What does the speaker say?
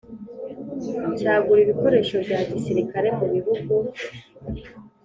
cyagura ibikoresho bya gisirikari mu bihugu